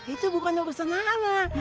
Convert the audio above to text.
itu bukan urusan anak